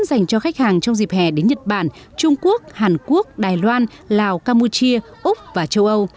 dành cho khách hàng trong dịp hè đến nhật bản trung quốc hàn quốc đài loan lào campuchia úc và châu âu